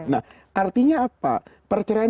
nah artinya apa perceraian